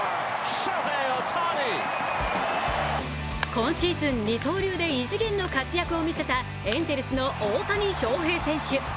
今シーズン二刀流で異次元の活躍をみせたエンゼルスの大谷翔平選手。